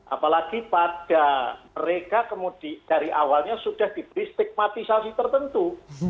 apalagi pada mereka dari awalnya sudah diberi stigmatisasi tertentu